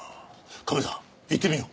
カメさん行ってみよう。